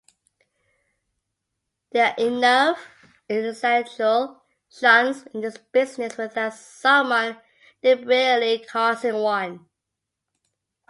There are enough accidental shunts in this business without someone deliberately causing one.